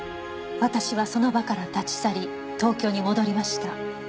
「私はその場から立ち去り東京に戻りました」